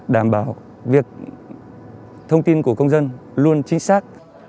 đảm bảo việc thông tin của công dân luôn chính xác